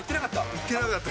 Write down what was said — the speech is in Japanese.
言ってなかった。